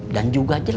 dan juga jualnya